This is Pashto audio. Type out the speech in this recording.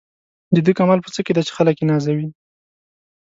د ده کمال په څه کې دی چې خلک یې نازوي.